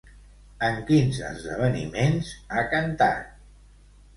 En quins esdeveniments ha cantat?